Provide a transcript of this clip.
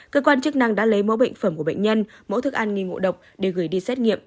cơ quan chức năng đã lấy mẫu bệnh phẩm của bệnh nhân mẫu thức ăn nghi ngộ độc để gửi đi xét nghiệm tìm ra chính xác nguyên nhân